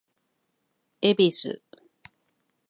恵比寿